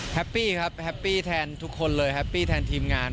ปี้ครับแฮปปี้แทนทุกคนเลยแฮปปี้แทนทีมงาน